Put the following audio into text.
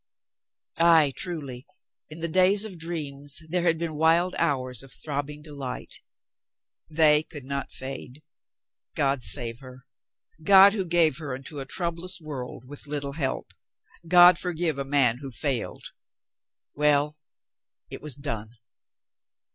... Ay, truly, in the days of dreams there had been wild hours of throbbing delight. They could not fade. God save her ! God who gave her into a troublous world with little help. God forgive a man who failed. Well. It was done.